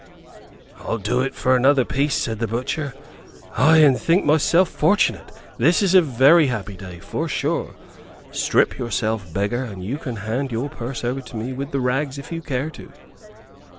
"I'll do it for another piece," said the butcher. "Ay, and think myself fortunate. This is a very happy day, for sure. Strip yourself, beggar; and you can hand your purse over to me with the rags if you care to!"